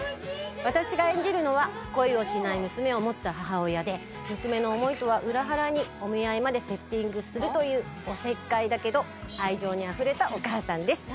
私が演じるのは恋をしない娘を持った母親で娘の思いとは裏腹にお見合いまでセッティングするというお節介だけど愛情にあふれたお母さんです